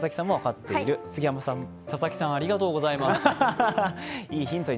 佐々木さん、ありがとうございます。